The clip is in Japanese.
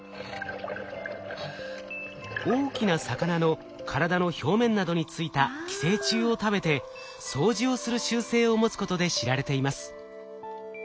大きな魚の体の表面などについた寄生虫を食べて掃除をする習性を持つことで知られています。